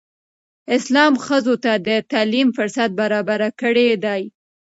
اسلام ښځو ته د تعلیم فرصت برابر کړی دی.